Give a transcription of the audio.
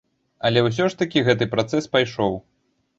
Але ўсё ж такі гэты працэс пайшоў.